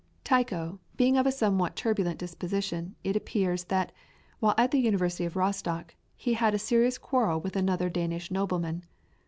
] Tycho being of a somewhat turbulent disposition, it appears that, while at the University of Rostock, he had a serious quarrel with another Danish nobleman.